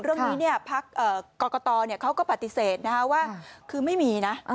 เรื่องนี้พักกรกตเขาก็ปฏิเสธว่าคือไม่มีนะ